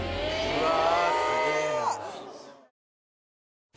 うわ！